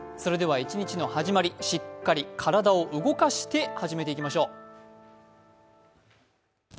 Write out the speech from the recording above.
一日の始まり、しっかり体を動かして始めていきましょう。